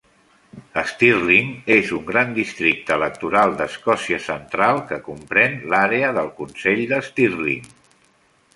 Stirling és un gran districte electoral d'Escòcia central que compren l'àrea del consell de Stirling.